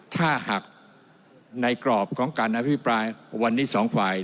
ถ้าหากในกรอบของการอภิปรายวันนี้สองฝ่าย